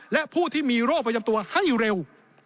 และผู้ที่มีโรคประจำตัวให้เร็ว